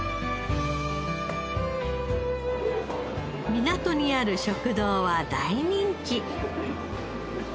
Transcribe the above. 港にある食堂は大人気。